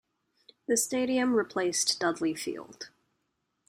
The stadium replaced Dudley Field.